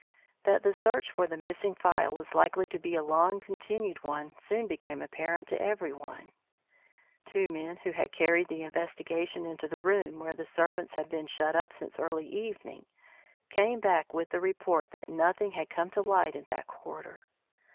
That the search for the missing phial was likely to be a long continued one soon became apparent to everyone. Two men who had carried the investigation into the room where the servants had been shut up since early evening, came back with the report that nothing had come to light in that quarter.